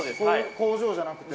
工場じゃなくて。